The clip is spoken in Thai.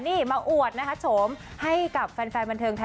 นี่มาอวดนะคะโฉมให้กับแฟนบันเทิงไทย